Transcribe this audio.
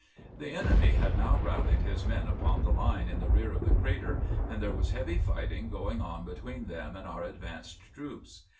The enemy had now rallied his men upon the line in the rear of the crater, and there was heavy fighting go ing on between them and our advanced troops.